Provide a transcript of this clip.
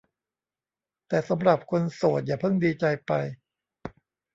แต่สำหรับคนโสดอย่าเพิ่งดีใจไป